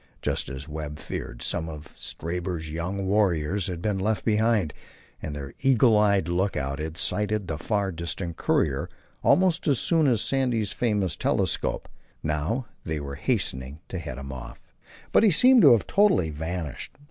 Just as Webb feared, some few of Stabber's young warriors had been left behind, and their eagle eyed lookout had sighted the far distant courier almost as soon as Sandy's famous telescope. Now they were hastening to head him off. But he seemed to have totally vanished.